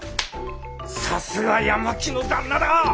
さすが八巻の旦那だ！